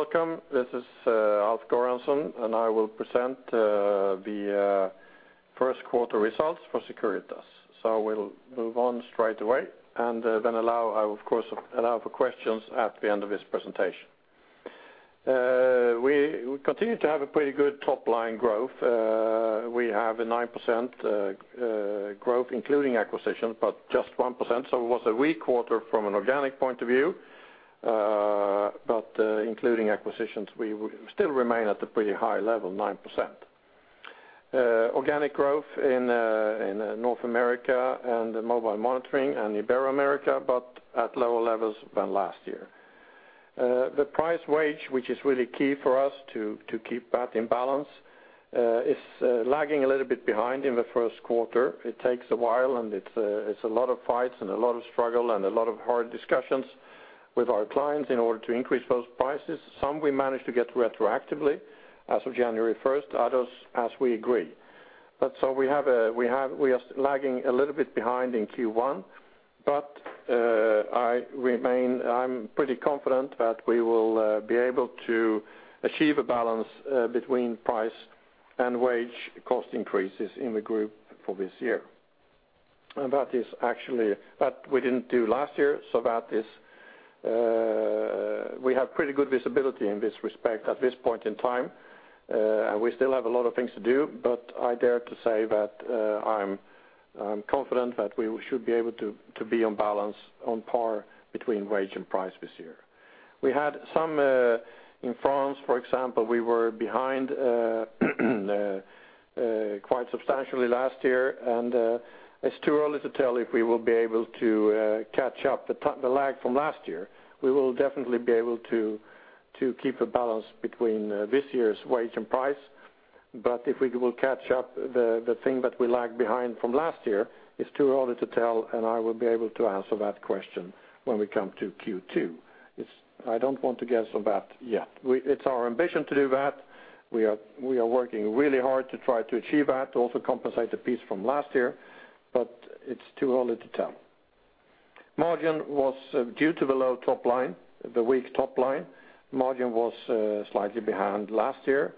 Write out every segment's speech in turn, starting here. Welcome. This is Alf Göransson, and I will present the first quarter results for Securitas. We'll move on straight away, and then, of course, allow for questions at the end of this presentation. We continue to have a pretty good top line growth. We have a 9% growth, including acquisition, but just 1%. It was a weak quarter from an organic point of view, but including acquisitions, we still remain at a pretty high level, 9%. Organic growth in North America, and mobile monitoring, and Ibero-America, but at lower levels than last year. The price wage, which is really key for us to keep that in balance, is lagging a little bit behind in the first quarter. It takes a while, and it's a lot of fights and a lot of struggle and a lot of hard discussions with our clients in order to increase those prices. Some we managed to get to retroactively as of January first, others as we agree. But so we are lagging a little bit behind in Q1, but I remain pretty confident that we will be able to achieve a balance between price and wage cost increases in the group for this year. And that is actually that we didn't do last year, so that is we have pretty good visibility in this respect at this point in time. And we still have a lot of things to do, but I dare to say that, I'm confident that we should be able to be on balance, on par between wage and price this year. We had some in France, for example, we were behind quite substantially last year, and it's too early to tell if we will be able to catch up the lag from last year. We will definitely be able to keep a balance between this year's wage and price, but if we will catch up the thing that we lag behind from last year, it's too early to tell, and I will be able to answer that question when we come to Q2. It's. I don't want to guess on that yet. We. It's our ambition to do that. We are working really hard to try to achieve that, to also compensate the piece from last year, but it's too early to tell. Margin was due to the low top line, the weak top line. Margin was slightly behind last year,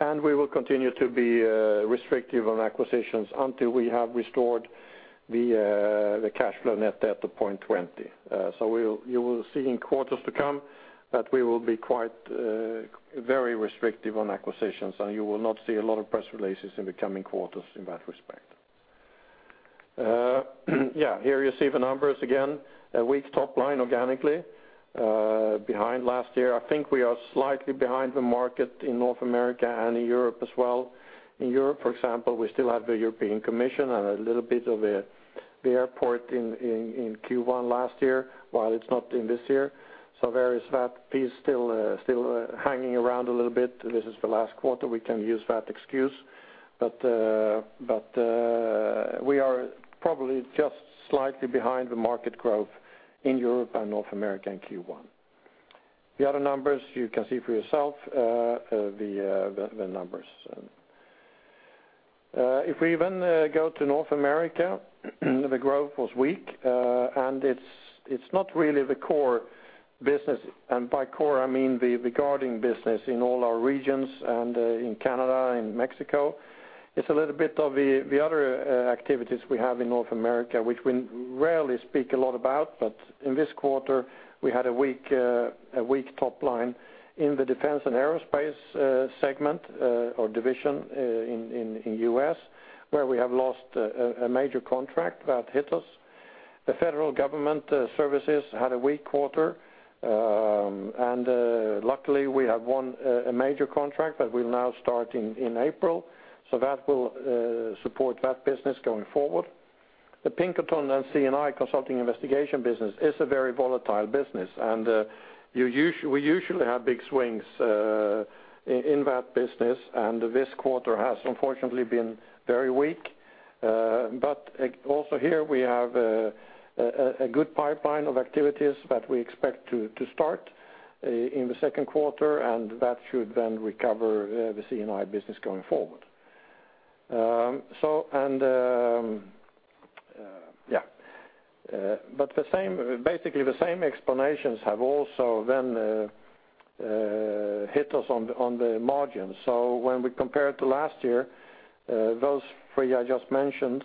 and we will continue to be restrictive on acquisitions until we have restored the cash flow net debt to 0.20. So you will see in quarters to come that we will be quite very restrictive on acquisitions, and you will not see a lot of press releases in the coming quarters in that respect. Yeah, here you see the numbers again, a weak top line organically behind last year. I think we are slightly behind the market in North America and in Europe as well. In Europe, for example, we still have the European Commission and a little bit of the airport in Q1 last year, while it's not in this year. So there is that piece still hanging around a little bit. This is the last quarter we can use that excuse, but we are probably just slightly behind the market growth in Europe and North America in Q1. The other numbers you can see for yourself, the numbers. If we even go to North America, the growth was weak, and it's not really the core business. And by core, I mean the guarding business in all our regions and in Canada and Mexico. It's a little bit of the other activities we have in North America, which we rarely speak a lot about. But in this quarter, we had a weak top line in the defense and aerospace segment or division in the U.S., where we have lost a major contract that hit us. The federal government services had a weak quarter, and luckily, we have won a major contract that we'll now start in April, so that will support that business going forward. The Pinkerton and C&I Consulting Investigation business is a very volatile business, and we usually have big swings in that business, and this quarter has unfortunately been very weak. But also here, we have a good pipeline of activities that we expect to start in the second quarter, and that should then recover the C&I business going forward. But the same, basically, the same explanations have also then hit us on the margins. So when we compare it to last year, those three I just mentioned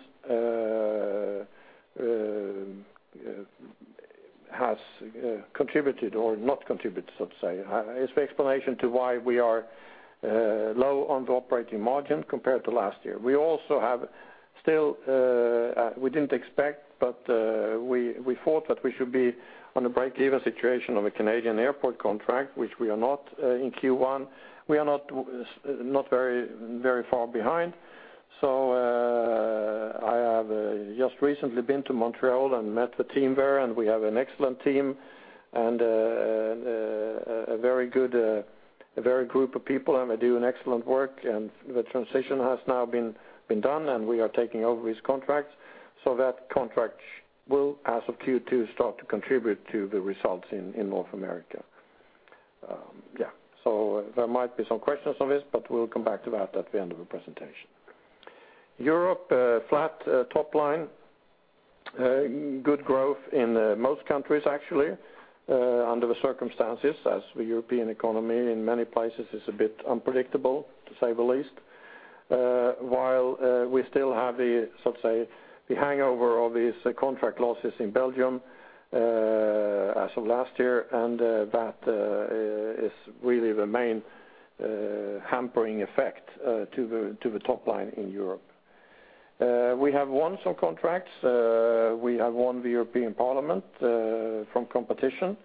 has contributed or not contributed, so to say. It's the explanation to why we are low on the operating margin compared to last year. We also have still, we didn't expect, but, we, we thought that we should be on a break-even situation on the Canadian airport contract, which we are not in Q1. We are not not very, very far behind. So, I have just recently been to Montreal and met the team there, and we have an excellent team and a very good group of people, and they're doing excellent work, and the transition has now been done, and we are taking over these contracts. So that contract will, as of Q2, start to contribute to the results in North America. Yeah, so there might be some questions on this, but we'll come back to that at the end of the presentation. Europe, flat top line, good growth in most countries actually, under the circumstances, as the European economy in many places is a bit unpredictable, to say the least. While we still have the, so to say, the hangover of these contract losses in Belgium as of last year, and that is really the main hampering effect to the top line in Europe. We have won some contracts. We have won the European Parliament from competition,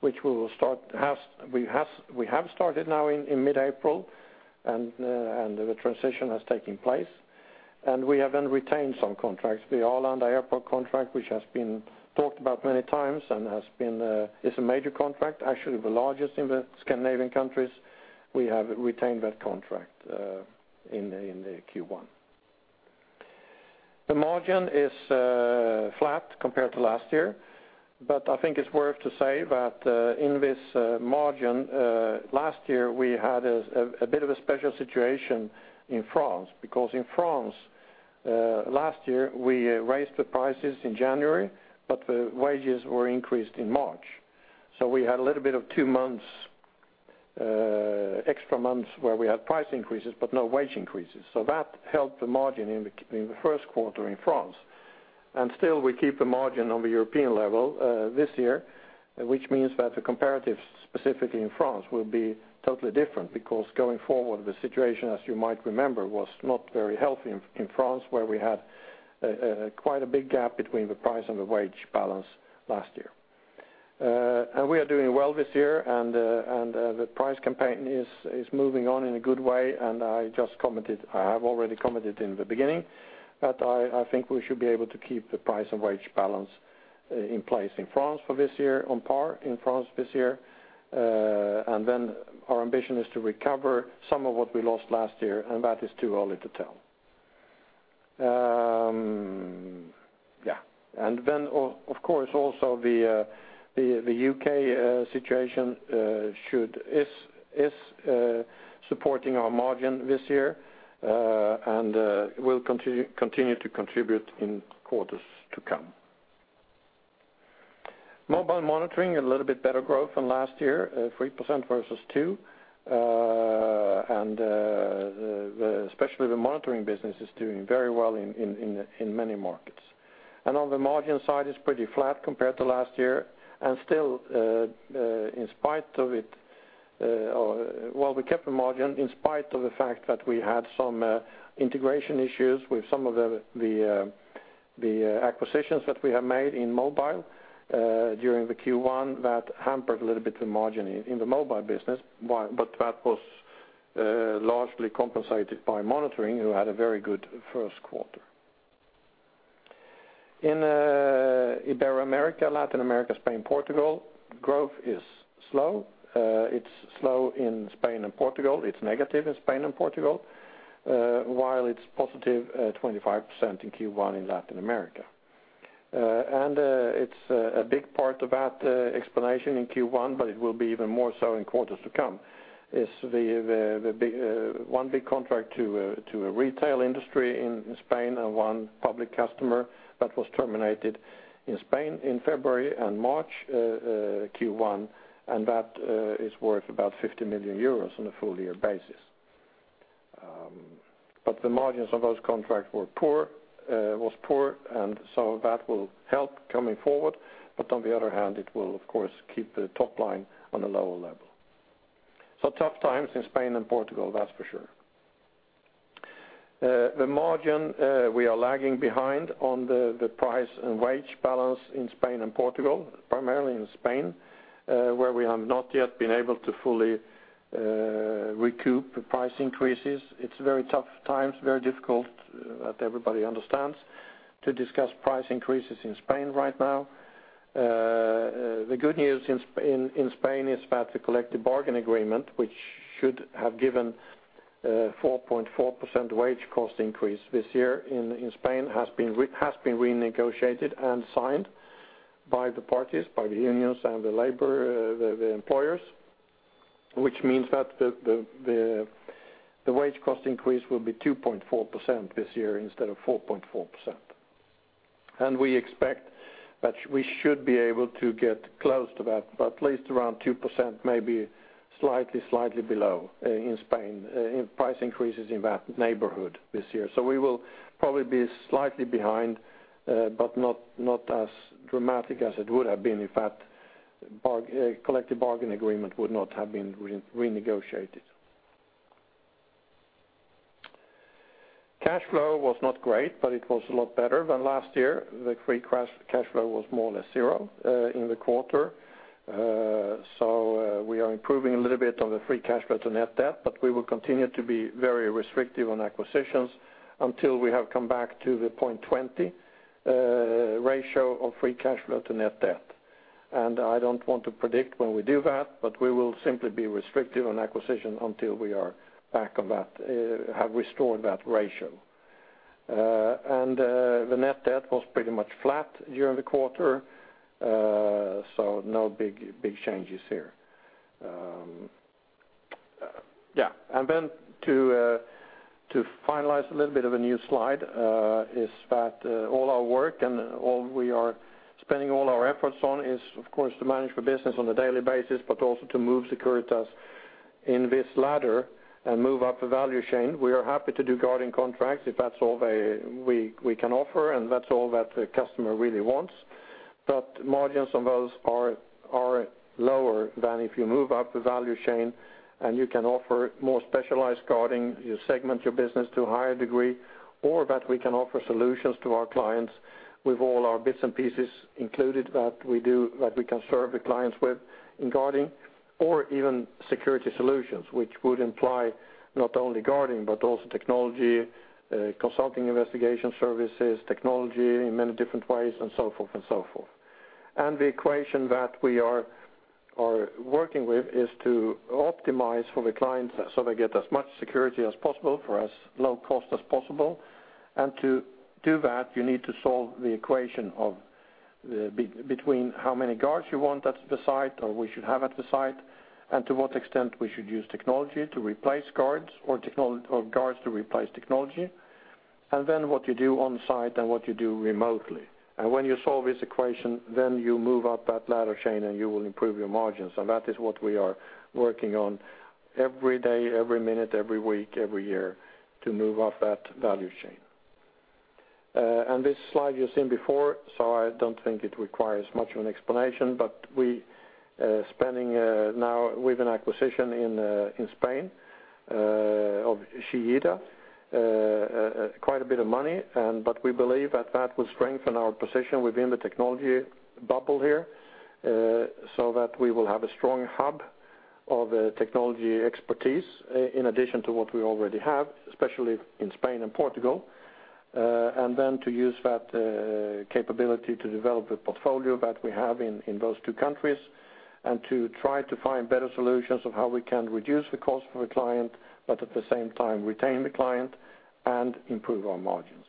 which we have started now in mid-April, and the transition has taken place. We have then retained some contracts. The Arlanda Airport contract, which has been talked about many times and is a major contract, actually the largest in the Scandinavian countries. We have retained that contract in the Q1. The margin is flat compared to last year, but I think it's worth to say that in this margin last year, we had a bit of a special situation in France, because in France last year, we raised the prices in January, but the wages were increased in March. So we had a little bit of two months extra months where we had price increases, but no wage increases. So that helped the margin in the first quarter in France. And still, we keep the margin on the European level this year, which means that the comparatives, specifically in France, will be totally different, because going forward, the situation, as you might remember, was not very healthy in France, where we had quite a big gap between the price and the wage balance last year. And we are doing well this year, and the price campaign is moving on in a good way, and I just commented, I have already commented in the beginning, that I think we should be able to keep the price and wage balance in place in France for this year, on par in France this year. And then our ambition is to recover some of what we lost last year, and that is too early to tell. Yeah, and then, of course, also the U.K. situation is supporting our margin this year, and will continue to contribute in quarters to come. Mobile monitoring, a little bit better growth than last year, 3% versus 2%. Especially the monitoring business is doing very well in many markets. And on the margin side, it's pretty flat compared to last year, and still, in spite of it, well, we kept the margin in spite of the fact that we had some integration issues with some of the acquisitions that we have made in mobile during the Q1 that hampered a little bit the margin in the mobile business. But that was largely compensated by monitoring, who had a very good first quarter. In Ibero-America, Latin America, Spain, Portugal, growth is slow. It's slow in Spain and Portugal. It's negative in Spain and Portugal, while it's positive 25% in Q1 in Latin America. It's a big part of that explanation in Q1, but it will be even more so in quarters to come, is the big one big contract to a retail industry in Spain and one public customer that was terminated in Spain in February and March Q1, and that is worth about 50 million euros on a full year basis. But the margins of those contracts were poor, was poor, and so that will help coming forward. But on the other hand, it will, of course, keep the top line on a lower level. So tough times in Spain and Portugal, that's for sure. The margin, we are lagging behind on the price and wage balance in Spain and Portugal, primarily in Spain, where we have not yet been able to fully recoup the price increases. It's very tough times, very difficult that everybody understands to discuss price increases in Spain right now. The good news in Spain is about the collective bargaining agreement, which should have given 4.4% wage cost increase this year in Spain, has been renegotiated and signed by the parties, by the unions and the employers, the wage cost increase will be 2.4% this year instead of 4.4%. We expect that we should be able to get close to that, but at least around 2%, maybe slightly, slightly below, in Spain, in price increases in that neighborhood this year. So we will probably be slightly behind, but not, not as dramatic as it would have been if that collective bargaining agreement would not have been renegotiated. Cash flow was not great, but it was a lot better than last year. The free cash flow was more or less zero in the quarter. So we are improving a little bit on the free cash flow to net debt, but we will continue to be very restrictive on acquisitions until we have come back to the 0.20 ratio of free cash flow to net debt. I don't want to predict when we do that, but we will simply be restrictive on acquisition until we are back on that, have restored that ratio. And the net debt was pretty much flat during the quarter, so no big changes here. Yeah, and then to finalize a little bit of a new slide is that all our work and all we are spending all our efforts on is, of course, to manage the business on a daily basis, but also to move Securitas in this ladder and move up the value chain. We are happy to do guarding contracts if that's all they—we, we can offer, and that's all that the customer really wants. Margins on those are lower than if you move up the value chain, and you can offer more specialized guarding, you segment your business to a higher degree, or that we can offer solutions to our clients with all our bits and pieces included that we do, that we can serve the clients with in guarding or even security solutions, which would imply not only guarding but also technology, consulting investigation services, technology in many different ways, and so forth and so forth. The equation that we are working with is to optimize for the clients so they get as much security as possible for as low cost as possible. To do that, you need to solve the equation between how many guards you want at the site or we should have at the site, and to what extent we should use technology to replace guards or guards to replace technology, and then what you do on site and what you do remotely. When you solve this equation, then you move up that ladder chain, and you will improve your margins. That is what we are working on every day, every minute, every week, every year to move up that value chain. This slide you've seen before, so I don't think it requires much of an explanation, but we spending now with an acquisition in Spain of Chillida quite a bit of money, and but we believe that that will strengthen our position within the technology bubble here, so that we will have a strong hub of technology expertise in addition to what we already have, especially in Spain and Portugal. And then to use that capability to develop the portfolio that we have in those two countries and to try to find better solutions of how we can reduce the cost for the client, but at the same time, retain the client and improve our margins.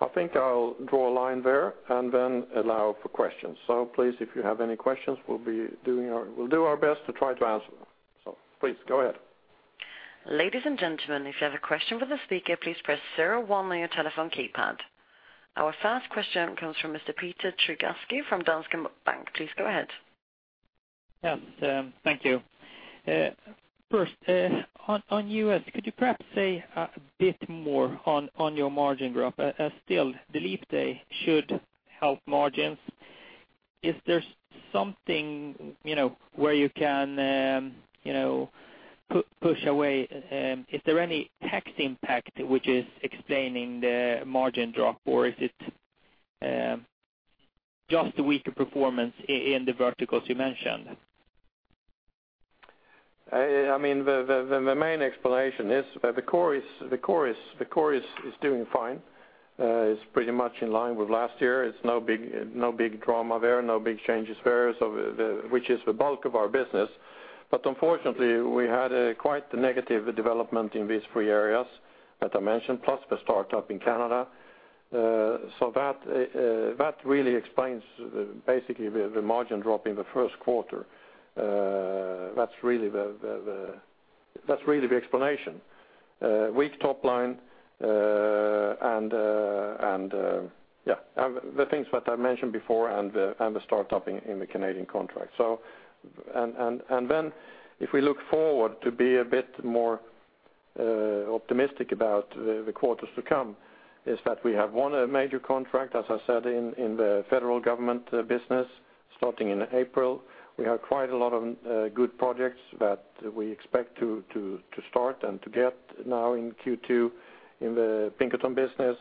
I think I'll draw a line there and then allow for questions. So please, if you have any questions, we'll do our best to try to answer them. So please go ahead. Ladies and gentlemen, if you have a question for the speaker, please press zero one on your telephone keypad. Our first question comes from Mr. Peter Trigarszky from Danske Bank. Please go ahead. Yes, thank you. First, on US, could you perhaps say a bit more on your margin growth? Still, believe they should help margins. Is there something, you know, where you can, you know, push away, is there any tax impact which is explaining the margin drop, or is it just a weaker performance in the verticals you mentioned? I mean, the main explanation is the core is doing fine. It's pretty much in line with last year. It's no big drama there, no big changes there. So the—which is the bulk of our business. But unfortunately, we had a quite negative development in these three areas that I mentioned, plus the startup in Canada. So that really explains basically the margin drop in the first quarter. That's really the explanation. Weak top line, and yeah, and the things that I mentioned before and the startup in the Canadian contract. Then if we look forward to be a bit more optimistic about the quarters to come, is that we have won a major contract, as I said, in the federal government business starting in April. We have quite a lot of good projects that we expect to start and to get now in Q2 in the Pinkerton business.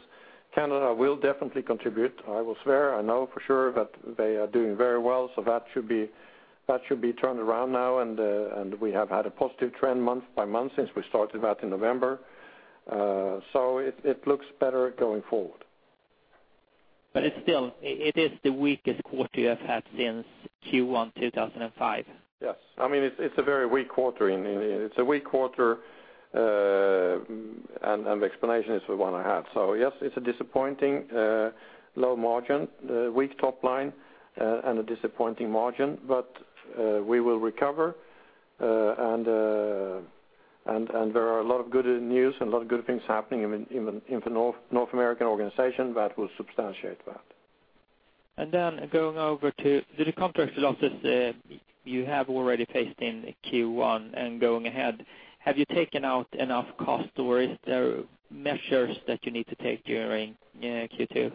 Canada will definitely contribute. I will swear, I know for sure that they are doing very well, so that should be turned around now, and we have had a positive trend month by month since we started that in November. So it looks better going forward. It's still, it is the weakest quarter you have had since Q1, 2005. Yes. I mean, it's a very weak quarter in... It's a weak quarter, and the explanation is the one I have. So yes, it's a disappointing low margin, weak top line, and a disappointing margin, but we will recover. And there are a lot of good news and a lot of good things happening in the North American organization that will substantiate that. Going over to the contract losses, you have already faced in Q1 and going ahead, have you taken out enough cost, or is there measures that you need to take during Q2?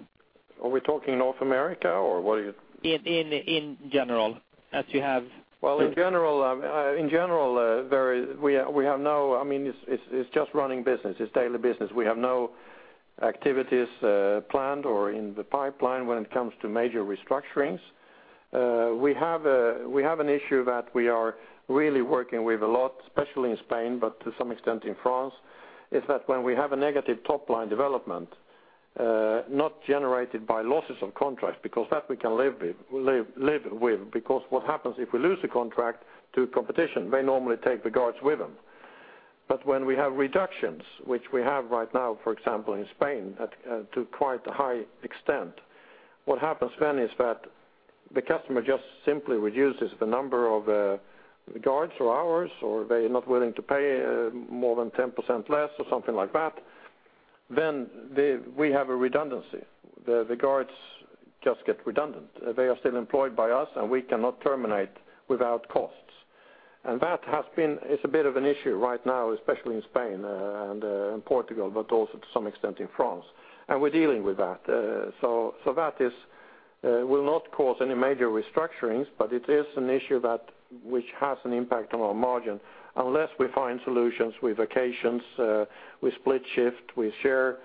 Are we talking North America, or what are you- In general, as you have- Well, in general, in general, we have no—I mean, it's just running business. It's daily business. We have no activities, planned or in the pipeline when it comes to major restructurings. We have an issue that we are really working with a lot, especially in Spain, but to some extent in France, is that when we have a negative top-line development, not generated by losses of contracts, because that we can live with, because what happens if we lose a contract to competition, they normally take the guards with them.... But when we have reductions, which we have right now, for example, in Spain, to quite a high extent, what happens then is that the customer just simply reduces the number of guards or hours, or they're not willing to pay more than 10% less or something like that, then we have a redundancy. The guards just get redundant. They are still employed by us, and we cannot terminate without costs. And that has been. It's a bit of an issue right now, especially in Spain, and in Portugal, but also to some extent in France, and we're dealing with that. So that will not cause any major restructurings, but it is an issue that which has an impact on our margin. Unless we find solutions with vacations, we split shift, we share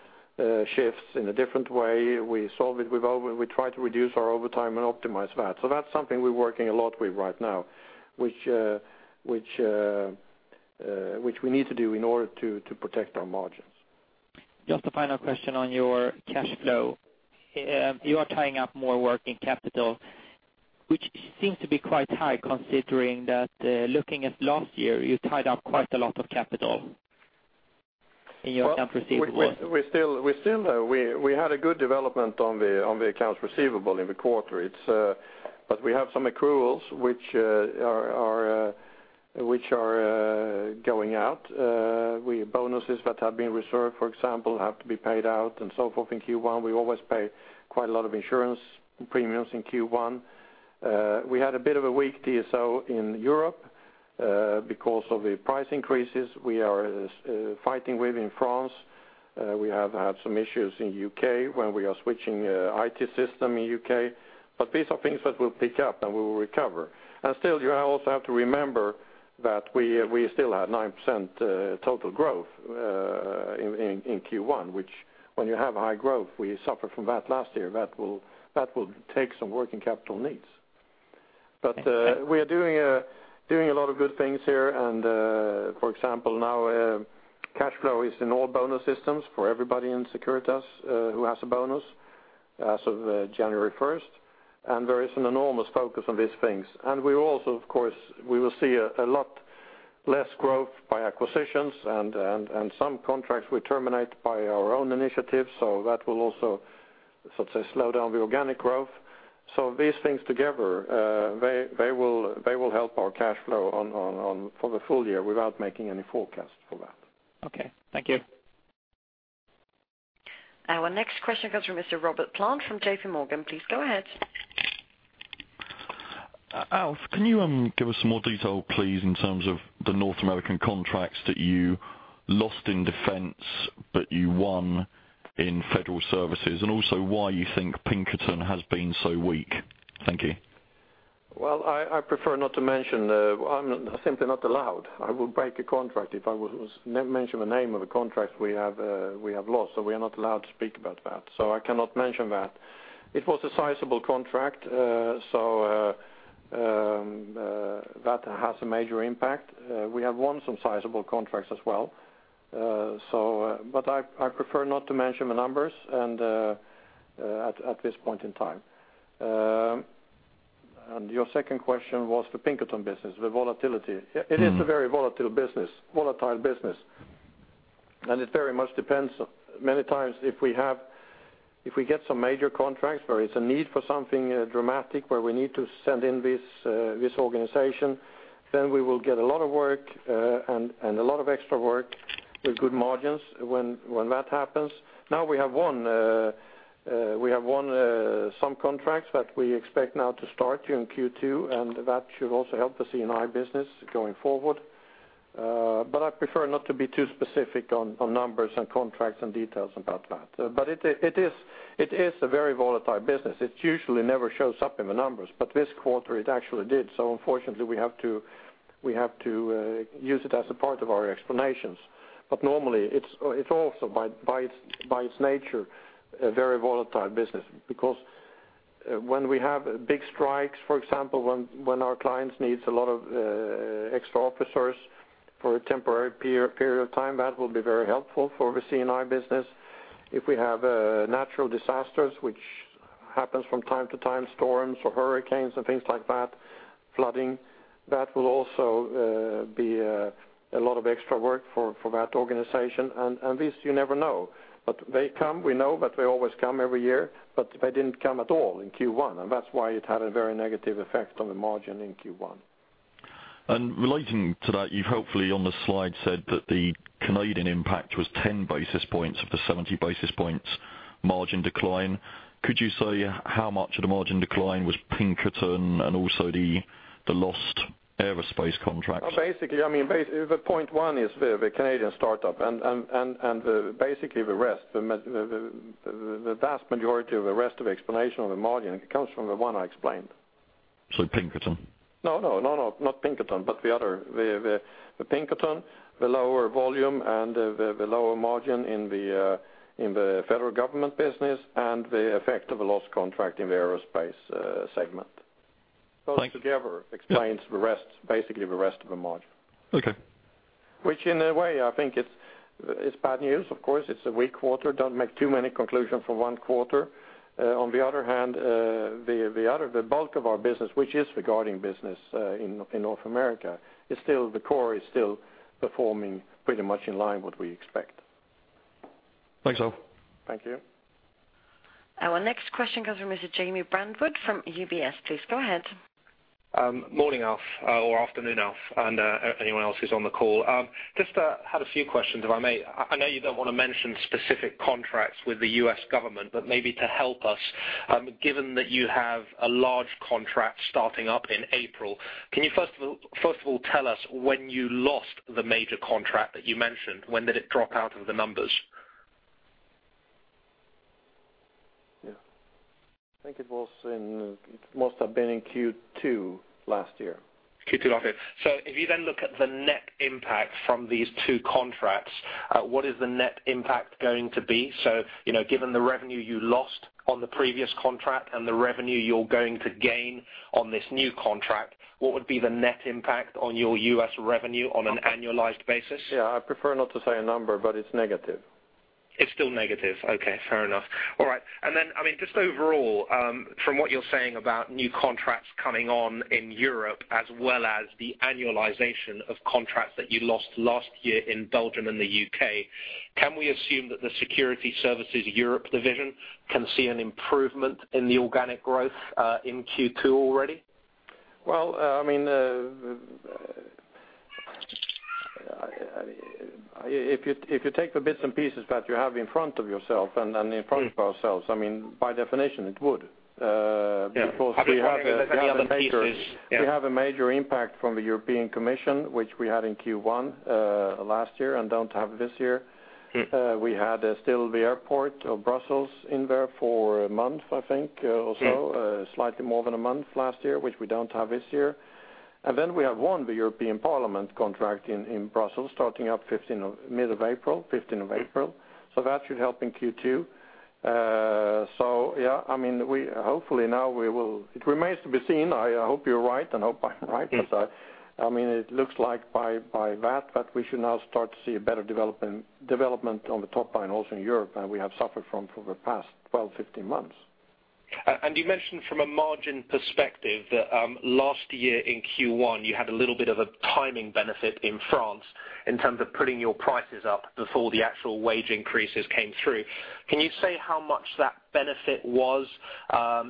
shifts in a different way, we solve it with overtime. We try to reduce our overtime and optimize that. So that's something we're working a lot with right now, which we need to do in order to protect our margins. Just a final question on your cash flow. You are tying up more working capital, which seems to be quite high, considering that, looking at last year, you tied up quite a lot of capital in your accounts receivable. We still had a good development on the accounts receivable in the quarter. It's, but we have some accruals which are going out. Bonuses that have been reserved, for example, have to be paid out and so forth in Q1. We always pay quite a lot of insurance premiums in Q1. We had a bit of a weak DSO in Europe because of the price increases we are fighting with in France. We have had some issues in U.K., where we are switching IT system in U.K. But these are things that will pick up, and we will recover. Still, you also have to remember that we still had 9% total growth in Q1, which when you have high growth, we suffered from that last year, that will take some working capital needs. But we are doing a lot of good things here, and for example, now cash flow is in all bonus systems for everybody in Securitas who has a bonus as of January first, and there is an enormous focus on these things. And we also, of course, we will see a lot less growth by acquisitions and some contracts we terminate by our own initiatives, so that will also, so to say, slow down the organic growth. So these things together, they will help our cash flow on... for the full year without making any forecast for that. Okay. Thank you. Our next question comes from Mr. Robert Plant from JPMorgan. Please go ahead. Alf, can you give us some more detail, please, in terms of the North American contracts that you lost in defense, but you won in federal services? And also why you think Pinkerton has been so weak? Thank you. Well, I prefer not to mention. I'm simply not allowed. I will break a contract if I mention the name of a contract we have lost, so we are not allowed to speak about that, so I cannot mention that. It was a sizable contract, so that has a major impact. We have won some sizable contracts as well, but I prefer not to mention the numbers and at this point in time. And your second question was the Pinkerton business, the volatility. Mm-hmm. It is a very volatile business, volatile business, and it very much depends. Many times if we get some major contracts where it's a need for something dramatic, where we need to send in this, this organization, then we will get a lot of work, and, and a lot of extra work with good margins when, when that happens. Now we have won, we have won, some contracts that we expect now to start in Q2, and that should also help the CNI business going forward. But I prefer not to be too specific on, on numbers and contracts and details about that. But it, it is, it is a very volatile business. It usually never shows up in the numbers, but this quarter it actually did, so unfortunately, we have to use it as a part of our explanations. But normally, it's also by its nature, a very volatile business, because when we have big strikes, for example, when our clients needs a lot of extra officers for a temporary period of time, that will be very helpful for the CNI business. If we have natural disasters, which happens from time to time, storms or hurricanes and things like that, flooding, that will also be a lot of extra work for that organization. And this you never know, but they come, we know that they always come every year, but they didn't come at all in Q1, and that's why it had a very negative effect on the margin in Q1. Relating to that, you've hopefully on the slide said that the Canadian impact was 10 basis points of the 70 basis points margin decline. Could you say how much of the margin decline was Pinkerton and also the lost aerospace contracts? Basically, I mean, the 0.1 is the Canadian startup and basically the rest, the vast majority of the rest of the explanation of the margin comes from the one I explained. So Pinkerton? No, no. No, no, not Pinkerton, but the other. The Pinkerton, the lower volume and the lower margin in the federal government business and the effect of the lost contract in the aerospace segment. Thank- Those together explains the rest, basically the rest of the margin. Okay. Which in a way, I think it's bad news of course, it's a weak quarter. Don't make too many conclusions from one quarter. On the other hand, the bulk of our business, which is the guarding business, in North America, is still the core is still performing pretty much in line what we expect.... Thanks, Alf. Thank you. Our next question comes from Mr. Jamie Brandwood, from UBS. Please go ahead. Morning, Alf, or afternoon, Alf, and anyone else who's on the call. Just had a few questions, if I may. I know you don't want to mention specific contracts with the U.S. government, but maybe to help us, given that you have a large contract starting up in April, can you first of all tell us when you lost the major contract that you mentioned? When did it drop out of the numbers? Yeah. I think it was in, must have been in Q2 last year. Q2 last year. So if you then look at the net impact from these two contracts, what is the net impact going to be? So, you know, given the revenue you lost on the previous contract and the revenue you're going to gain on this new contract, what would be the net impact on your U.S. revenue on an annualized basis? Yeah, I prefer not to say a number, but it's negative. It's still negative. Okay, fair enough. All right. And then, I mean, just overall, from what you're saying about new contracts coming on in Europe, as well as the annualization of contracts that you lost last year in Belgium and the UK, can we assume that the security services Europe division can see an improvement in the organic growth, in Q2 already? Well, I mean, if you take the bits and pieces that you have in front of yourself and in front of ourselves, I mean, by definition, it would- Yeah because we have a major- The other pieces. We have a major impact from the European Commission, which we had in Q1 last year, and don't have this year. Mm. We had still the airport of Brussels in there for a month, I think, also- Yeah... slightly more than a month last year, which we don't have this year. And then we have won the European Parliament contract in Brussels, starting up 15th of mid-April, 15th of April. So that should help in Q2. So yeah, I mean, we hopefully now we will... It remains to be seen. I hope you're right, and hope I'm right because, I mean, it looks like by that we should now start to see a better development on the top line, also in Europe, than we have suffered from for the past 12-15 months. You mentioned from a margin perspective that last year in Q1, you had a little bit of a timing benefit in France in terms of putting your prices up before the actual wage increases came through. Can you say how much that benefit was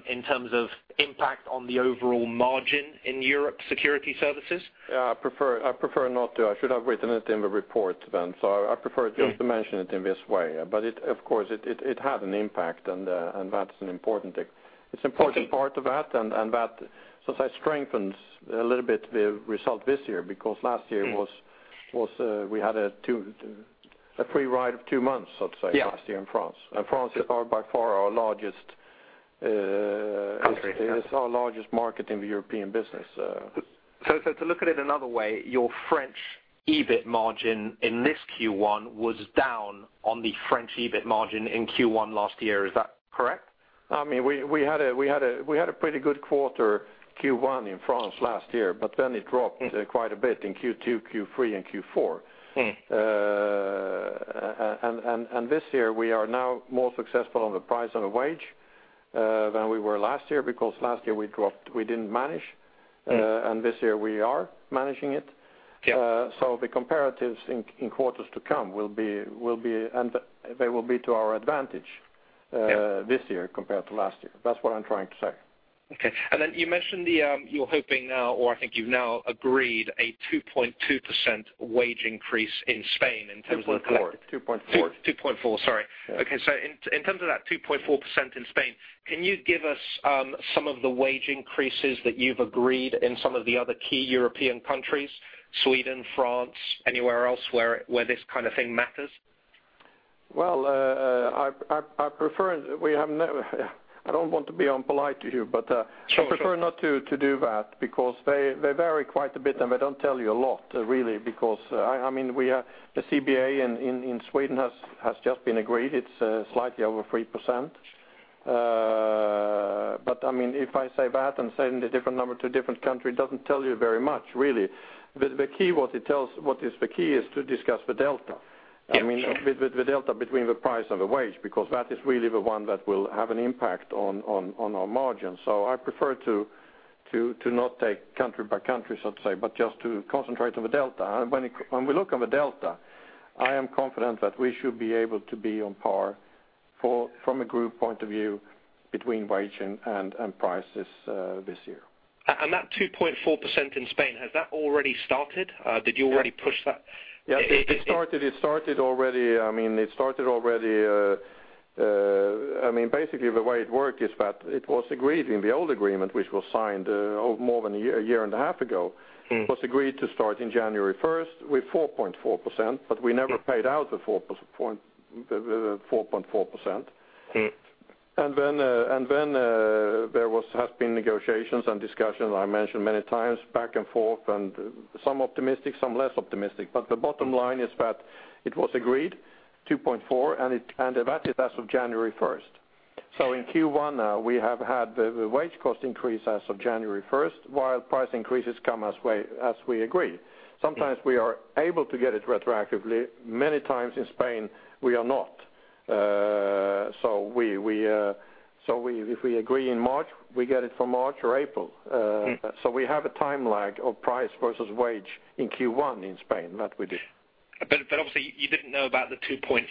in terms of impact on the overall margin in Europe Security Services? Yeah, I prefer, I prefer not to. I should have written it in the report then, so I prefer- Yeah just to mention it in this way. But it of course had an impact, and that's an important thing. It's important- Mm part of that, and that, since I strengthened a little bit the result this year, because last year- Mm we had a free ride of 2 months, I'd say- Yeah - last year in France. France is far, by far our largest, Country... It's our largest market in the European business. So, to look at it another way, your French EBIT margin in this Q1 was down on the French EBIT margin in Q1 last year. Is that correct? I mean, we had a pretty good quarter, Q1 in France last year, but then it dropped- Mm - quite a bit in Q2, Q3, and Q4. Mm. This year, we are now more successful on the price and the wage than we were last year, because last year we dropped - we didn't manage- Mm This year we are managing it. Yeah. So the comparatives in quarters to come will be to our advantage- Yeah This year compared to last year. That's what I'm trying to say. Okay. And then you mentioned the, you're hoping now, or I think you've now agreed, a 2.2% wage increase in Spain in terms of- 2.4%. 2.4%. 2.4%, sorry. Yeah. Okay, so in terms of that 2.4% in Spain, can you give us some of the wage increases that you've agreed in some of the other key European countries, Sweden, France, anywhere else where this kind of thing matters? Well, I prefer... I don't want to be impolite to you, but- Sure, sure I prefer not to do that because they vary quite a bit, and they don't tell you a lot, really, because I mean, the CBA in Sweden has just been agreed. It's slightly over 3%. But I mean, if I say that and then the different number to a different country, it doesn't tell you very much, really. The key, what it tells, what is the key is to discuss the delta. Yeah, sure. I mean, the delta between the price and the wage, because that is really the one that will have an impact on our margins. So I prefer to not take country by country, so to say, but just to concentrate on the delta. And when we look on the delta, I am confident that we should be able to be on par from a group point of view, between wage and prices, this year. That 2.4% in Spain, has that already started? Did you already push that? Yeah, it started already. I mean, it started already. I mean, basically the way it worked is that it was agreed in the old agreement, which was signed more than a year and a half ago. Mm. It was agreed to start in January first, with 4.4%, but we never paid out the 4.4%. Mm. There has been negotiations and discussions, I mentioned many times, back and forth, and some optimistic, some less optimistic. But the bottom line is that it was agreed 2.4, and that's as of January first. So in Q1 now, we have had the wage cost increase as of January first, while price increases come as we agreed. Mm. Sometimes we are able to get it retroactively. Many times in Spain, we are not. So, if we agree in March, we get it from March or April. Mm. So we have a time lag of price versus wage in Q1 in Spain, that we do. But obviously, you didn't know about the 2.4%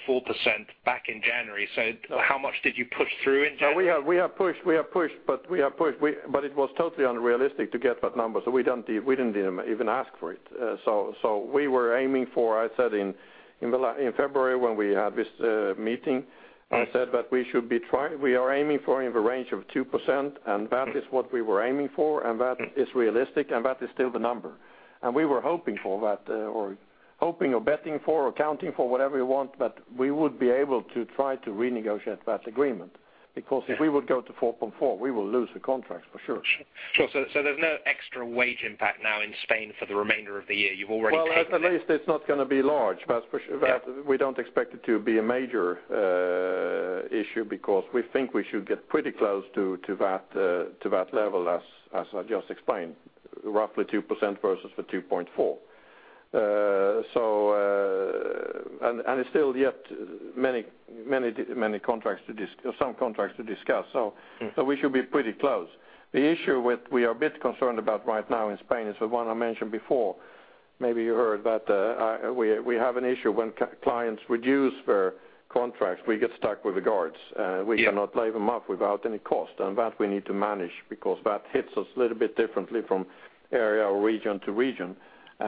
back in January, so how much did you push through in January? We have, we have pushed, we have pushed, but we have pushed. We-- but it was totally unrealistic to get that number, so we don't, we didn't even ask for it. So we were aiming for, I said in, in February, when we had this, meeting- Mm. I said that we should be trying, we are aiming for in the range of 2%, and that is what we were aiming for, and that is realistic, and that is still the number. And we were hoping for that, or hoping or betting for or accounting for whatever you want, but we would be able to try to renegotiate that agreement. Yeah. Because if we would go to 4.4, we will lose the contract for sure. Sure. So, there's no extra wage impact now in Spain for the remainder of the year, you've already paid them? Well, at least it's not gonna be large. But for- Yeah... that, we don't expect it to be a major issue because we think we should get pretty close to, to that, to that level, as, as I just explained, roughly 2% versus the 2.4%. So, and, and it's still yet many, many, many contracts to discuss, some contracts to discuss. Mm. So we should be pretty close. The issue with we are a bit concerned about right now in Spain is the one I mentioned before. Maybe you heard that, we have an issue when clients reduce their contracts, we get stuck with the guards. Yeah. We cannot lay them off without any cost, and that we need to manage because that hits us a little bit differently from area or region to region.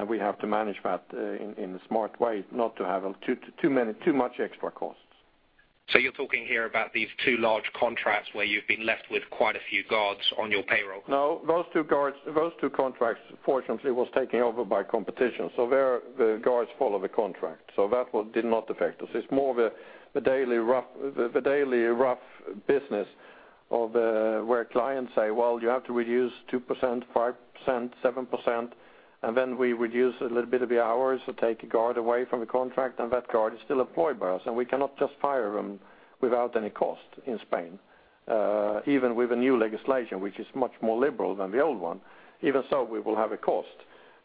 We have to manage that in a smart way, not to have too, too many, too much extra costs. So you're talking here about these two large contracts where you've been left with quite a few guards on your payroll? No, those two guards, those two contracts, fortunately, was taken over by competition. So there, the guards follow the contract, so that one did not affect us. It's more of a, the daily rough business of, where clients say, "Well, you have to reduce 2%, 5%, 7%," and then we reduce a little bit of the hours or take a guard away from the contract, and that guard is still employed by us. And we cannot just fire them without any cost in Spain. Even with the new legislation, which is much more liberal than the old one, even so, we will have a cost.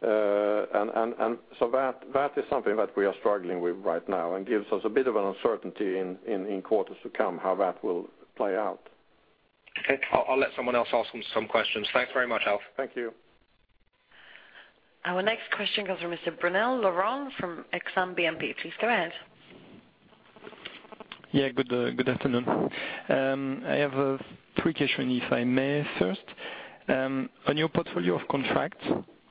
And so that is something that we are struggling with right now and gives us a bit of an uncertainty in quarters to come, how that will play out. Okay. I'll let someone else ask some questions. Thanks very much, Alf. Thank you. Our next question comes from Mr. Laurent Brunelle from Exane BNP Paribas. Please go ahead. Yeah. Good afternoon. I have three questions, if I may. First, on your portfolio of contracts,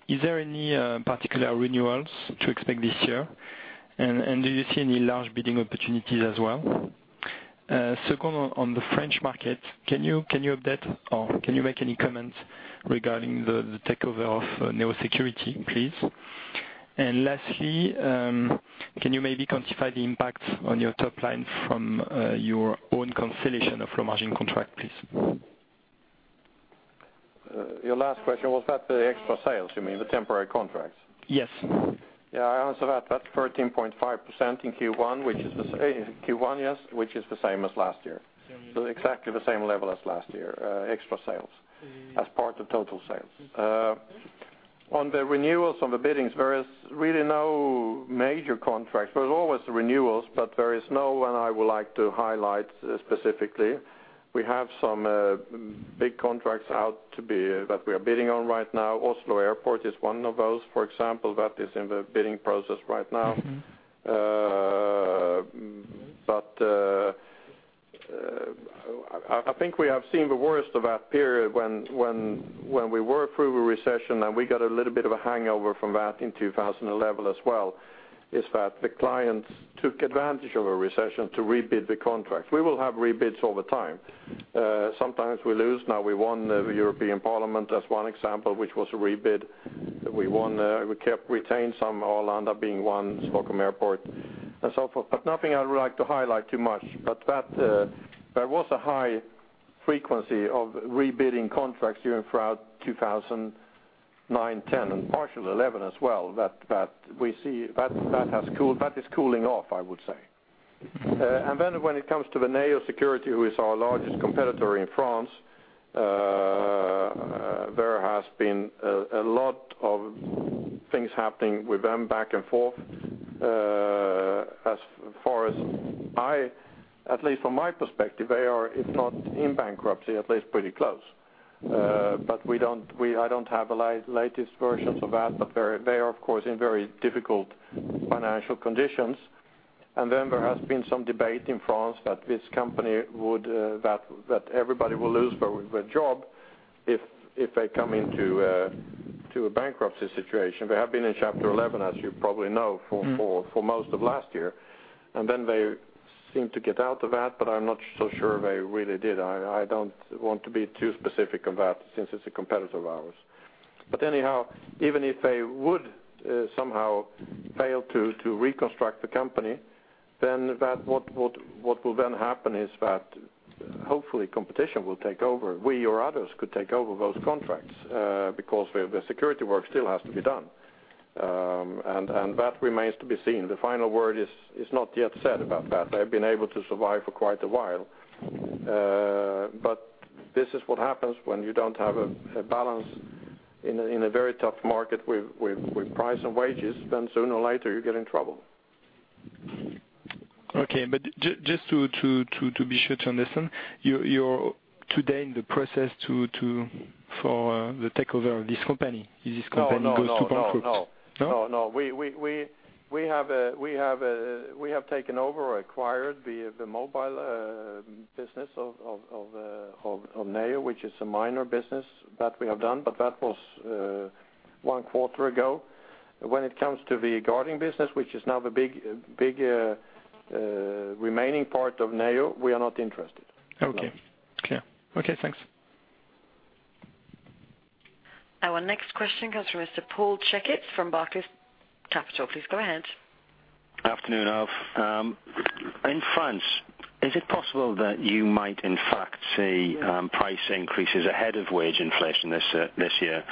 is there any particular renewals to expect this year? And do you see any large bidding opportunities as well? Second, on the French market, can you update or make any comments regarding the takeover of Neo Sécurité, please? And lastly, can you maybe quantify the impact on your top line from your own consolidation of low-margin contracts, please? Your last question, was that the extra sales, you mean, the temporary contracts? Yes. Yeah, I answered that. That's 13.5% in Q1, which is the same, Q1, yes, which is the same as last year. So exactly the same level as last year, extra sales- Mm-hmm... as part of total sales. On the renewals, on the biddings, there is really no major contracts. There's always renewals, but there is no one I would like to highlight specifically. We have some big contracts out to be that we are bidding on right now. Oslo Airport is one of those, for example. That is in the bidding process right now. Mm-hmm. But I think we have seen the worst of that period when we were through a recession, and we got a little bit of a hangover from that in 2011 as well, in that the clients took advantage of a recession to rebid the contract. We will have rebids over time. Sometimes we lose, now we won the European Parliament as one example, which was a rebid. We won, we kept, retained some, Arlanda being one, Stockholm Airport, and so forth. But nothing I would like to highlight too much. But that there was a high frequency of rebidding contracts during throughout 2009, 10 and partial 2011 as well, that we see that has cooled - that is cooling off, I would say. And then when it comes to the Neo Sécurité, who is our largest competitor in France, there has been a lot of things happening with them back and forth. As far as I at least from my perspective, they are, if not in bankruptcy, at least pretty close. But I don't have the latest versions of that, but they are, of course, in very difficult financial conditions. And then there has been some debate in France that this company would that everybody will lose their job if they come into to a bankruptcy situation. They have been in Chapter 11, as you probably know, for- Mm... for most of last year, and then they seemed to get out of that, but I'm not so sure they really did. I don't want to be too specific on that since it's a competitor of ours. But anyhow, even if they would somehow fail to reconstruct the company, then what will then happen is that hopefully competition will take over. We or others could take over those contracts, because the security work still has to be done. And that remains to be seen. The final word is not yet said about that. They've been able to survive for quite a while.... But this is what happens when you don't have a balance in a very tough market with price and wages, then sooner or later you get in trouble. Okay, but just to be sure to understand, you're today in the process for the takeover of this company? If this company goes to bankrupt. No, no, no, no. No? No, no, we have taken over or acquired the mobile business of Neo, which is a minor business that we have done, but that was one quarter ago. When it comes to the guarding business, which is now the big remaining part of Neo, we are not interested. Okay. No. Clear. Okay, thanks. Our next question comes from Mr. Paul Checketts from Barclays Capital. Please go ahead. Afternoon, Alf. In France, is it possible that you might, in fact, see price increases ahead of wage inflation this year?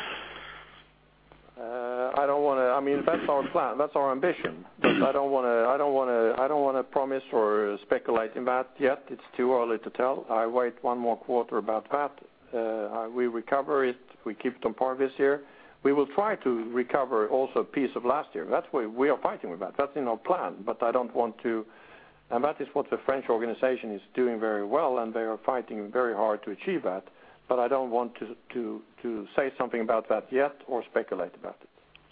I don't wanna. I mean, that's our plan. That's our ambition. But I don't wanna promise or speculate in that yet. It's too early to tell. I wait one more quarter about that. We recover it, we keep it on par this year. We will try to recover also a piece of last year. That's why we are fighting with that. That's in our plan, but I don't want to, and that is what the French organization is doing very well, and they are fighting very hard to achieve that, but I don't want to say something about that yet or speculate about it.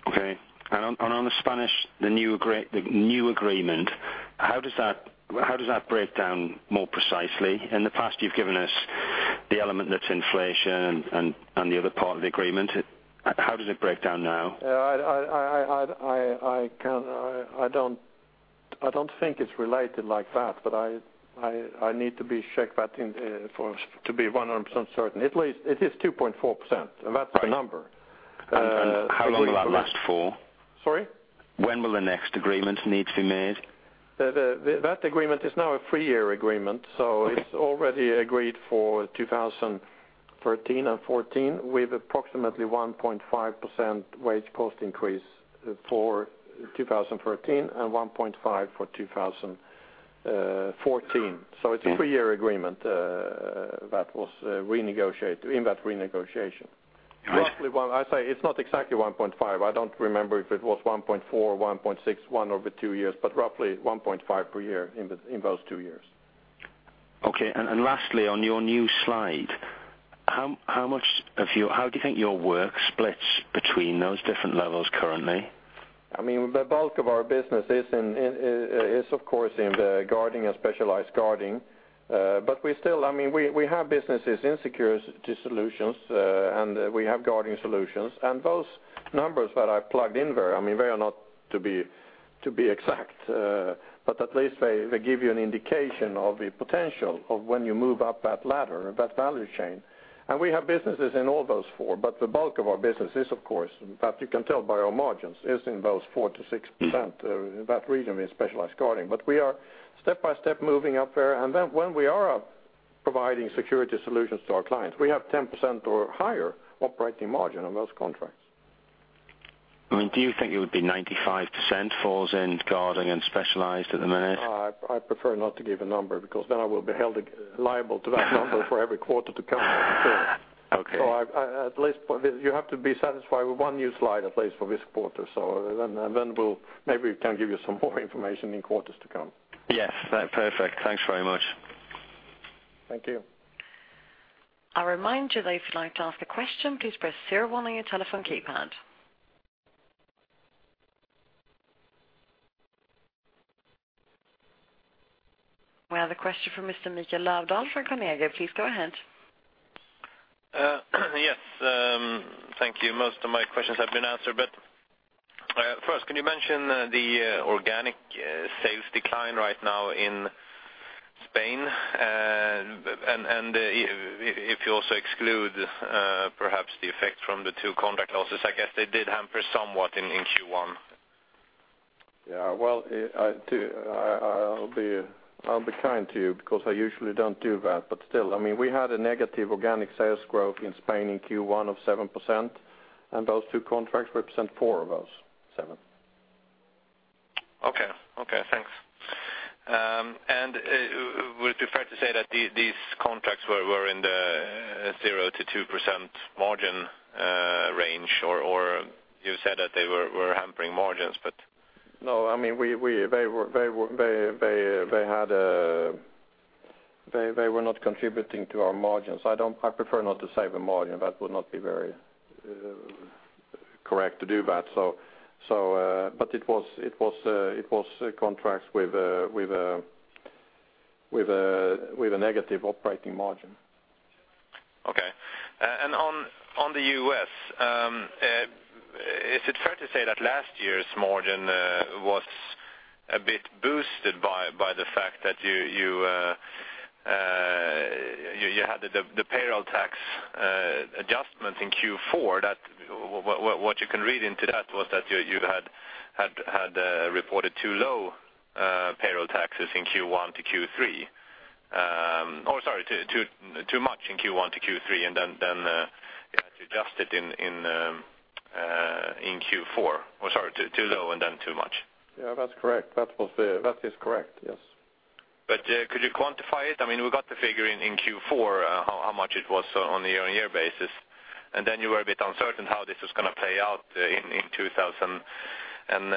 Okay. And on the Spanish, the new agreement, how does that break down more precisely? In the past, you've given us the element that's inflation and the other part of the agreement. How does it break down now? Yeah, I can. I don't think it's related like that, but I need to check that in for to be 100% certain. At least it is 2.4%, and that's the number. Agreed for next- How long will that last for? Sorry? When will the next agreement need to be made? That agreement is now a three-year agreement, so it's already agreed for 2013 and 2014, with approximately 1.5% wage cost increase for 2013 and 1.5% for 2014. Okay. It's a three-year agreement that was renegotiated in that renegotiation. Right. Roughly 1, I say it's not exactly 1.5. I don't remember if it was 1.4 or 1.6, 1 over two years, but roughly 1.5 per year in those two years. Okay, and lastly, on your new slide, how much of your -- how do you think your work splits between those different levels currently? I mean, the bulk of our business is in is, of course, in the guarding and specialized guarding. But we still... I mean, we have businesses in security solutions, and we have guarding solutions. And those numbers that I plugged in there, I mean, they are not to be exact, but at least they give you an indication of the potential of when you move up that ladder, that value chain. And we have businesses in all those four, but the bulk of our business is, of course, that you can tell by our margins, is in those 4%-6%. Mm-hmm. That region is specialized guarding. But we are step by step moving up there, and then when we are up providing security solutions to our clients, we have 10% or higher operating margin on those contracts. I mean, do you think it would be 95% falls in guarding and specialized at the minute? I prefer not to give a number, because then I will be held liable to that number for every quarter to come. Okay. So I at least for this, you have to be satisfied with one new slide, at least for this quarter. So then, and then we'll, maybe we can give you some more information in quarters to come. Yes, that's perfect. Thanks very much. Thank you. I remind you that if you'd like to ask a question, please press zero one on your telephone keypad. We have a question from Mr. Mikael Lövdahl from Carnegie. Please go ahead. Yes, thank you. Most of my questions have been answered, but first, can you mention the organic sales decline right now in Spain? And if you also exclude perhaps the effect from the two contract losses, I guess they did hamper somewhat in Q1. Yeah, well, I'll be kind to you, because I usually don't do that. But still, I mean, we had a negative organic sales growth in Spain in Q1 of 7%, and those two contracts represent 4 of those 7. Okay. Okay, thanks. And would it be fair to say that these contracts were in the 0%-2% margin range? Or you said that they were hampering margins, but- No, I mean, they were not contributing to our margins. I don't... I prefer not to say the margin. That would not be very correct to do that. So, but it was contracts with a negative operating margin. Okay. And on the U.S., is it fair to say that last year's margin was a bit boosted by the fact that you had the payroll tax adjustment in Q4? That, what you can read into that was that you had reported too low payroll taxes in Q1 to Q3. Or sorry, too much in Q1 to Q3, and then adjusted in Q4, or sorry, too low and then too much? Yeah, that's correct. That is correct, yes. But, could you quantify it? I mean, we got the figure in Q4, how much it was on a year-on-year basis, and then you were a bit uncertain how this was gonna play out in 2012, and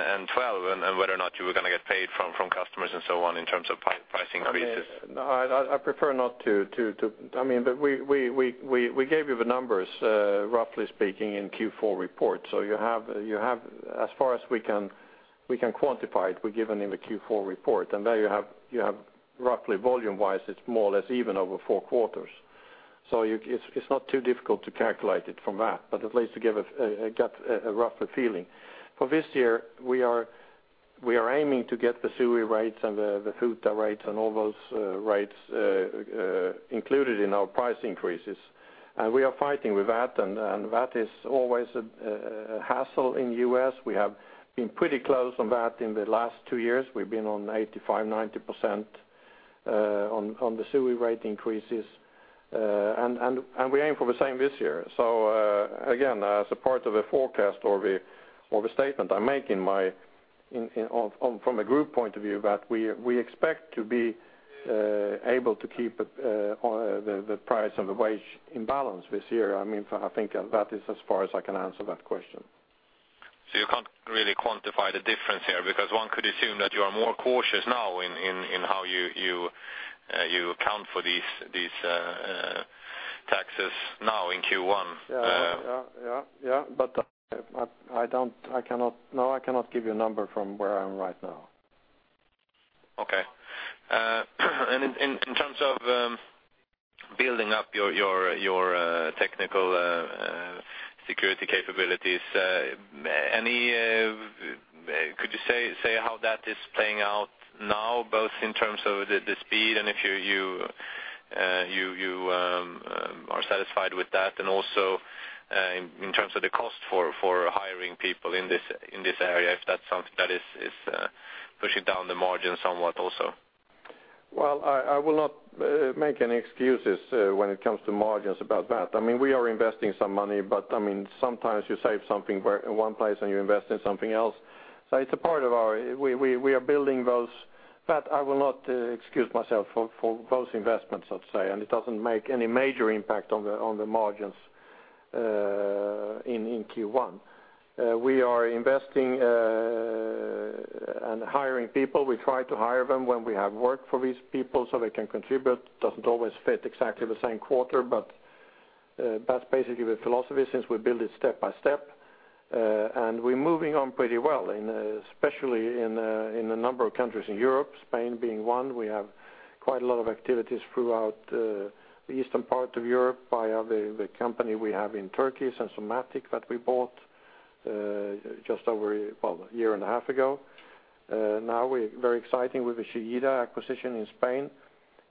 whether or not you were gonna get paid from customers and so on, in terms of pricing increases. I prefer not to—I mean, but we gave you the numbers, roughly speaking, in Q4 report. So you have, as far as we can quantify it, we gave it in the Q4 report, and there you have roughly volume-wise, it's more or less even over four quarters. So it's not too difficult to calculate it from that, but at least to get a rougher feeling. For this year, we are aiming to get the SUI rates and the FUTA rates, and all those rates included in our price increases. And we are fighting with that, and that is always a hassle in the U.S. We have been pretty close on that in the last two years. We've been on 85%-90% on the SUI rate increases, and we aim for the same this year. So, again, as a part of a forecast or the statement I make from a group point of view, that we expect to be able to keep the price and the wage in balance this year. I mean, I think that is as far as I can answer that question. So you can't really quantify the difference here, because one could assume that you are more cautious now in how you account for these taxes now in Q1? Yeah, yeah, yeah. But I don't. I cannot give you a number from where I am right now. Okay. And in terms of building up your technical security capabilities, could you say how that is playing out now, both in terms of the speed, and if you are satisfied with that, and also in terms of the cost for hiring people in this area, if that's something that is pushing down the margin somewhat also? Well, I will not make any excuses when it comes to margins about that. I mean, we are investing some money, but, I mean, sometimes you save something where in one place, and you invest in something else. So it's a part of our... We are building those, but I will not excuse myself for those investments, I'd say, and it doesn't make any major impact on the margins in Q1. We are investing and hiring people. We try to hire them when we have work for these people so they can contribute. Doesn't always fit exactly the same quarter, but that's basically the philosophy since we build it step by step. And we're moving on pretty well, especially in a number of countries in Europe, Spain being one. We have quite a lot of activities throughout the eastern part of Europe via the company we have in Turkey, Sensormatic, that we bought just over well a year and a half ago. Now we're very exciting with the Segura acquisition in Spain.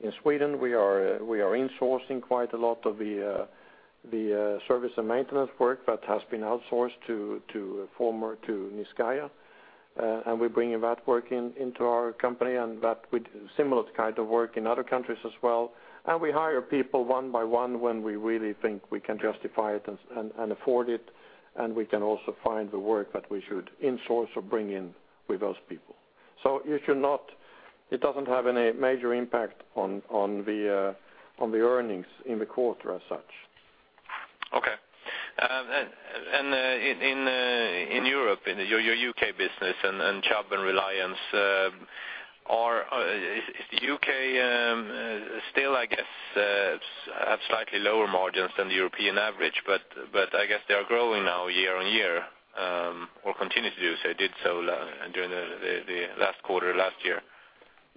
In Sweden, we are insourcing quite a lot of the service and maintenance work that has been outsourced to former Niscaya. And we're bringing that work into our company, and that with similar kind of work in other countries as well. We hire people one by one when we really think we can justify it and afford it, and we can also find the work that we should insource or bring in with those people. So you should not. It doesn't have any major impact on the earnings in the quarter as such. Okay. And in Europe, in your UK business and Chubb and Reliance, is the UK still, I guess, have slightly lower margins than the European average, but I guess they are growing now year on year, or continue to do so, did so during the last quarter, last year.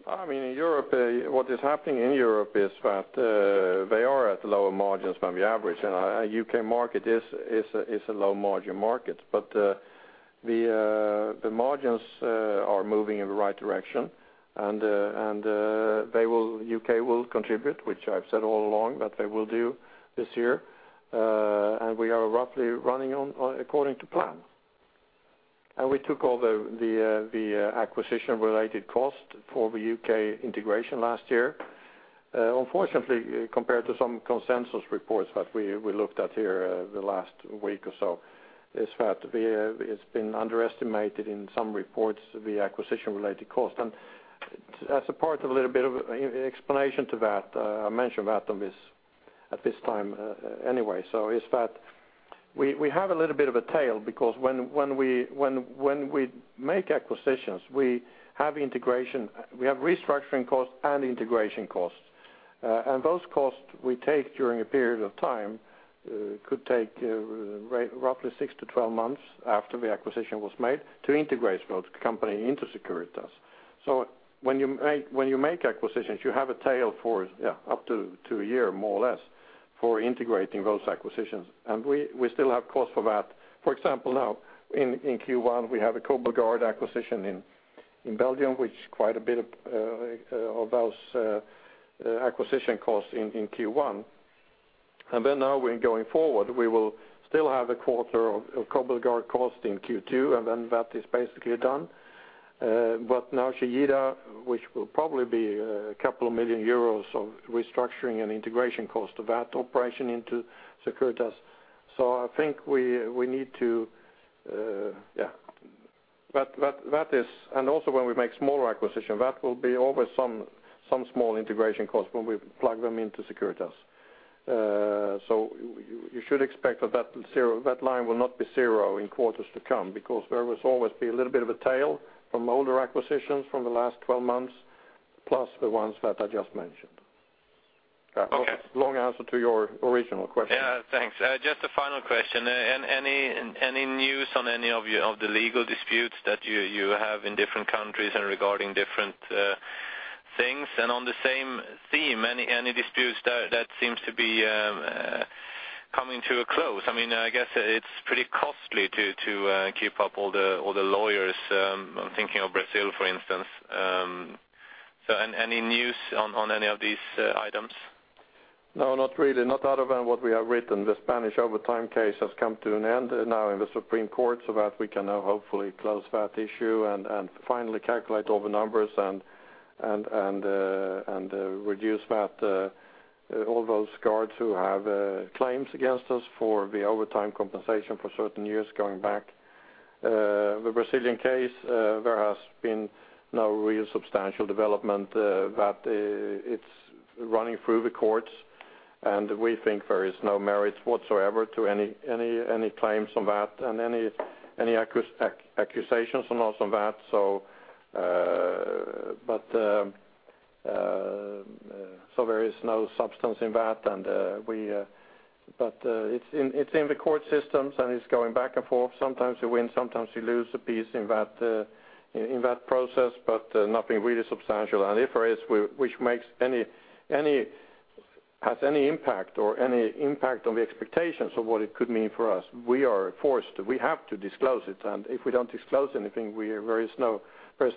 I mean, in Europe, what is happening in Europe is that they are at lower margins than the average, and UK market is a low-margin market, but the margins are moving in the right direction. And they will, UK will contribute, which I've said all along, that they will do this year. And we are roughly running on according to plan. And we took all the acquisition-related cost for the UK integration last year. Unfortunately, compared to some consensus reports that we looked at here the last week or so, is that it's been underestimated in some reports, the acquisition-related cost. As a part of a little bit of explanation to that, I mentioned that at this time, anyway, so it is that we have a little bit of a tail, because when we make acquisitions, we have integration, we have restructuring costs and integration costs. And those costs we take during a period of time, could take roughly six to 12 months after the acquisition was made to integrate those companies into Securitas. So when you make acquisitions, you have a tail for, yeah, up to a year, more or less, for integrating those acquisitions. And we still have costs for that. For example, now in Q1, we have a Cobelguard acquisition in Belgium, which quite a bit of those acquisition costs in Q1. And then now we're going forward, we will still have a quarter of Cobelguard cost in Q2, and then that is basically done. But now Chillida, which will probably be a couple million EUR of restructuring and integration cost of that operation into Securitas. So I think we need to, yeah, but that is—and also when we make smaller acquisition, that will be always some small integration costs when we plug them into Securitas. So you should expect that zero, that line will not be zero in quarters to come, because there will always be a little bit of a tail from older acquisitions from the last 12 months, plus the ones that I just mentioned. Okay. Long answer to your original question. Yeah, thanks. Just a final question. And any news on any of your legal disputes that you have in different countries and regarding different things? And on the same theme, any disputes that seems to be coming to a close? I mean, I guess it's pretty costly to keep up all the lawyers. I'm thinking of Brazil, for instance. So any news on any of these items? No, not really, not other than what we have written. The Spanish overtime case has come to an end now in the Supreme Court, so that we can now hopefully close that issue and finally calculate all the numbers and reduce that all those guards who have claims against us for the overtime compensation for certain years going back. The Brazilian case, there has been no real substantial development, but it's running through the courts, and we think there is no merit whatsoever to any claims on that and any accusations and also that, so there is no substance in that, and we... But it's in the court systems, and it's going back and forth. Sometimes you win, sometimes you lose a piece in that, in that process, but nothing really substantial. And if there is which has any impact on the expectations of what it could mean for us, we are forced, we have to disclose it. And if we don't disclose anything, there is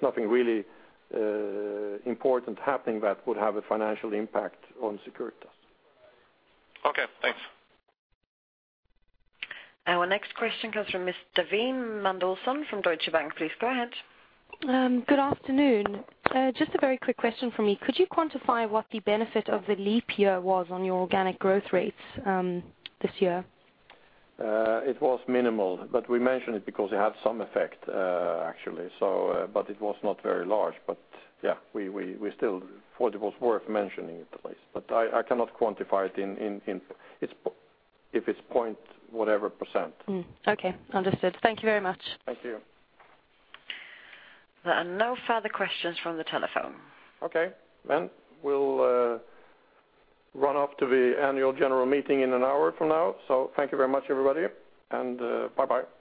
nothing really important happening that would have a financial impact on Securitas. Okay, thanks. Our next question comes from Miss Davina Mendelsohn from Deutsche Bank. Please go ahead. Good afternoon. Just a very quick question from me. Could you quantify what the benefit of the leap year was on your organic growth rates, this year? It was minimal, but we mentioned it because it had some effect, actually, so... But it was not very large. But, yeah, we still thought it was worth mentioning it at least, but I cannot quantify it in, it's-- if it's point whatever percentage. Okay, understood. Thank you very much. Thank you. There are no further questions from the telephone. Okay, then we'll run off to the annual general meeting in an hour from now. So thank you very much, everybody, and bye-bye.